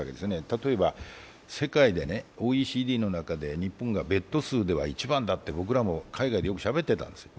例えば世界でＯＥＣＤの中で日本はベッド数が一番だと僕らも海外でよくしゃべっていたんですよ。